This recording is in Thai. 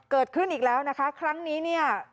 เกิดขึ้นอีกแล้วนะคะครั้งนี้เนี่ย